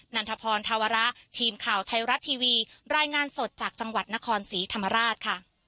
ันทพรธาวระทีมข่าวไทยรัฐทีวีรายงานสดจากจังหวัดนครศรีธรรมราชค่ะ